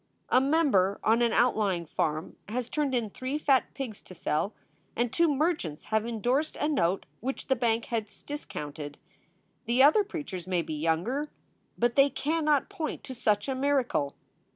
A member on an outlying farm has turned in three fat pigs to sell, and two merchants have indorsed a note which the bank has discounted. The other preachers may be younger, but they cannot point to such a miracle.